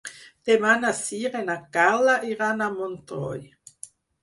Demà na Sira i na Carla iran a Montroi.